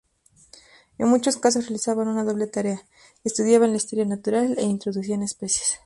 En muchos casos realizaban una doble tarea: estudiaban la historia natural e introducían especies.